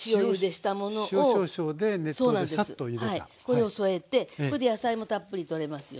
これを添えてこれで野菜もたっぷりとれますよね。